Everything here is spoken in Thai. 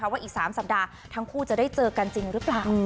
ว่าอีก๓สัปดาห์ทั้งคู่จะได้เจอกันจริงหรือเปล่า